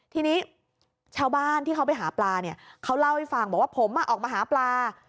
ทีนี้ชาวบ้านที่เขาไปหาปลาเนี่ยเขาเล่าให้ฟังบอกว่าผมออกมาหาปลา